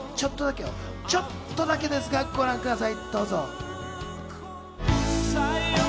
ちょっとだけですがご覧ください。